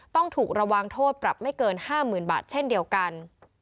ต้องถูกระวังโทษปรับไม่เกิน๕๐๐๐บาทเช่นเดียวกัน